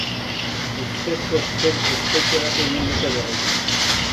Ustezko espetxeratu egin dute berriro.